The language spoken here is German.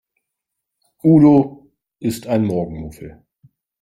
Udo ist ein Morgenmuffel.